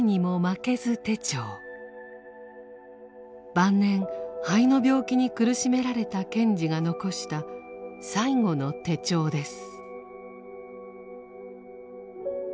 晩年肺の病気に苦しめられた賢治が残した最後の手帳です。